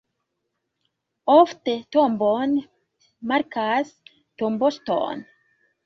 Ofte tombon markas tomboŝtono.